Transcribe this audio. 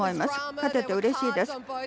勝ててうれしいです。